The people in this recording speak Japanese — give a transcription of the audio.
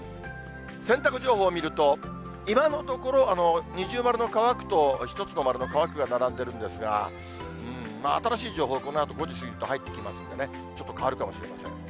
洗濯情報を見ると、今のところ、二重丸の乾くと１つの丸の乾くが並んでるんですが、新しい情報、このあと、５時過ぎると入ってきますんでね、ちょっと変わるかもしれません。